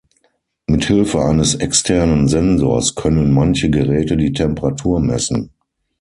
Mit Hilfe eines externen Sensors können manche Geräte die Temperatur messen.